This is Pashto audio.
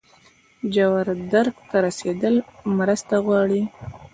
ژور درک ته رسیدل مرسته غواړي.